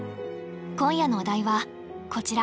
今夜のお題はこちら。